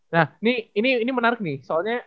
nah ini menarik nih soalnya